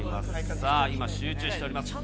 さあ、今、集中しております。